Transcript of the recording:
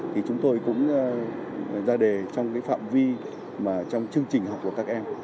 thì chúng tôi cũng ra đề trong phạm vi trong chương trình học của các em